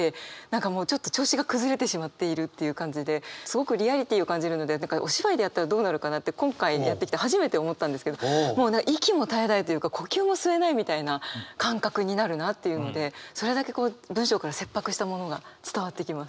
何かもうちょっと調子が崩れてしまっているっていう感じですごくリアリティーを感じるのでお芝居でやったらどうなるかなって今回やってきて初めて思ったんですけどもう息も絶え絶えというか呼吸も吸えないみたいな感覚になるなっていうのでそれだけ文章から切迫したものが伝わってきます。